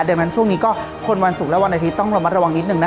ดังนั้นช่วงนี้ก็คนวันศุกร์และวันอาทิตย์ต้องระมัดระวังนิดนึงนะคะ